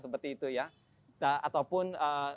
seperti itu ya ataupun